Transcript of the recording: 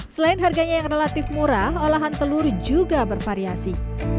selain harganya yang relatif murah olahan telur juga bervariasi